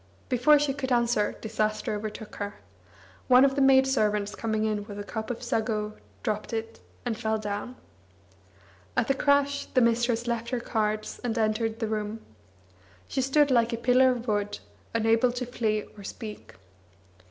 Before she could answer disaster overtook her. One of the maidservants coming in with a cup of sago dropped it, and fell down. At the crash the mistress left her cards, and entered the room. She stood like a pillar of wood, unable to flee or speak.